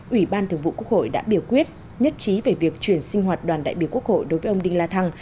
ủy ban thường vụ quốc hội đã biểu quyết nhất trí về việc chuyển sinh hoạt đoàn đại biểu quốc hội đối với ông đinh la thăng